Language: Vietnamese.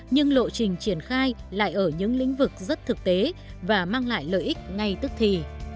nhưng lộ trình triển khai lại ở những lĩnh vực rất thực tế và mang lại lợi ích ngay tức thì